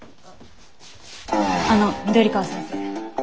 あの緑川先生。